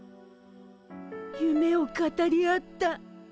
ゆめを語り合った。